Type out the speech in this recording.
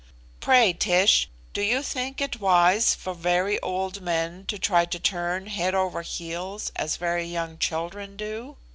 Pray, Tish, do you think it wise for very old men to try to turn head over heels as very young children do?